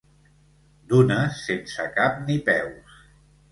Dunes sense cap ni peus.